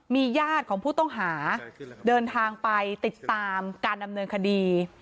มีญาติของผู้ต้องหาเดินทางไปติดตามการดำเนินคดี